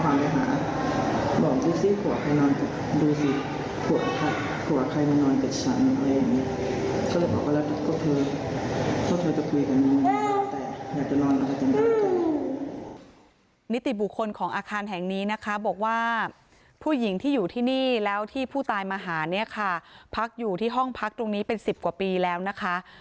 นิติบุคคลของอาคารแห่งนี้นะคะบอกว่าผู้หญิงที่อยู่ที่นี่แล้วที่ผู้ตายมาหาเนี่ยค่ะพักอยู่ที่ห้องพักตรงนี้เป็น๑๐กว่าปีแล้วนะคะ